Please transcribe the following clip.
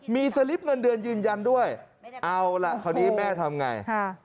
มีสลิปเงินเดือนยืนยันด้วยเอาล่ะคราวนี้แม่ทำไง